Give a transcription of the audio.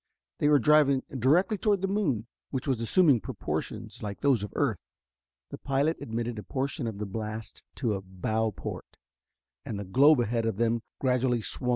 They were driving directly toward the moon, which was assuming proportions like those of earth. The pilot admitted a portion of the blast to a bow port, and the globe ahead of them gradually swung off.